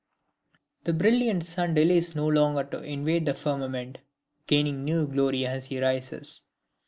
The brilliant sun delays no longer to invade the firmament, gaining new glory as he rises.